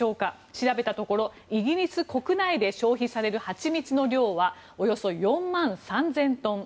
調べたところ、イギリス国内で消費されるハチミツの量はおよそ４万３０００トン。